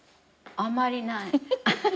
あんまりない。